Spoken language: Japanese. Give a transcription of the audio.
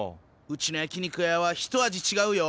うちの焼き肉屋はひと味ちがうよ。